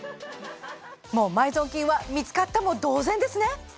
もう埋蔵金は見つかったも同然ですね！